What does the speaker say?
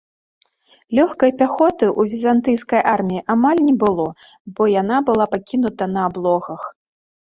Лёгкай пяхоты ў візантыйскай арміі амаль не было, бо яна была пакінута на аблогах.